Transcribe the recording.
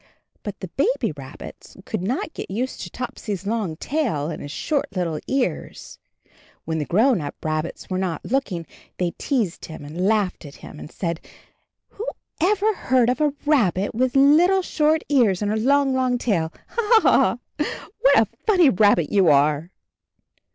But the baby rabbits could not get used to Topsy's long tail and his short little ears. When the grown up rabbits were not look ing, they teased him and laughed at him, and said, "Who ever heard of a rabbit with lit tle short ears and a long, long tail? Ha — ha — ha I What a funny rabbit you are!"